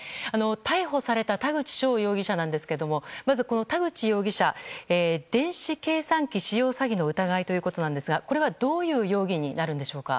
逮捕された田口翔容疑者なんですけれどもまず、この田口容疑者電子計算機使用詐欺の疑いということですがこれはどういう容疑になるのでしょうか。